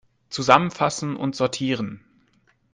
Zusammenfassen und sortieren!